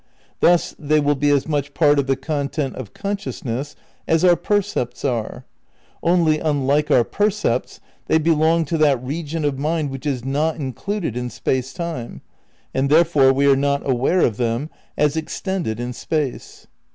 Thus they will be as much part of the content of consciousness as our per cepts are; only, unlike our percepts, they belong to that region of mind which is not included in space time, and therefore we are not aware of them as ex tended in space.